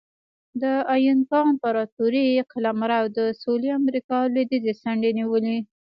د اینکا امپراتورۍ قلمرو د سویلي امریکا لوېدیځې څنډې نیولې.